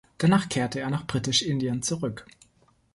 Danach kehrte er nach Britisch-Indien zurück.